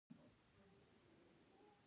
غوماشې تل ناڅاپي حمله کوي.